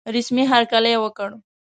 رسمي هرکلی وکړ.